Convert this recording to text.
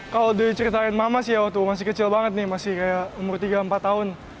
kalau diceritain mama sih waktu masih kecil banget nih masih kayak umur tiga empat tahun